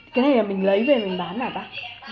cái này là mình lấy về mình bán hả bác